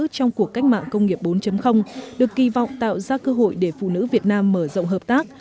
trong cuộc cách mạng công nghiệp bốn được kỳ vọng tạo ra cơ hội để phụ nữ việt nam mở rộng hợp tác